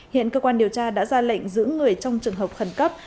hiện cơ quan điều tra đã ra lệnh giữ người trong trường hợp khẩn cấp